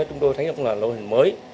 chúng tôi thấy cũng là loại hình mới